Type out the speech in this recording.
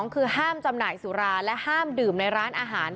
คือห้ามจำหน่ายสุราและห้ามดื่มในร้านอาหาร